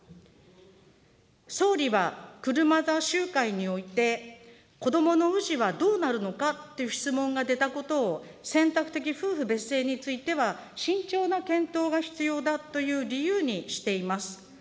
総理は、車座集会において、子どもの氏はどうなるのかという質問が出たことを、選択的夫婦別姓については、慎重な検討が必要だという理由にしています。